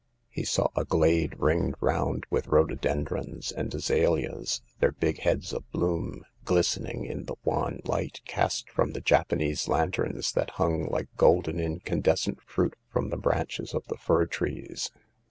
He saw a glade, ringed round with rhododendrons and azaleas, their big heads of bloom glistening in the wan light cast from the Japanese lanterns that hung like golden incan descent fruit from the branches of the fir trees.